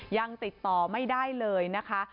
ยังติดต่อไม่ได้เลยนะคะ